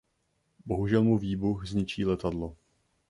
Bohužel mu výbuch zničí letadlo.